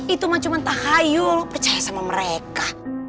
itu mah cuman tak hayul percaya sama mereka